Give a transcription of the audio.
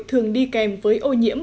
thường đi kèm với ô nhiễm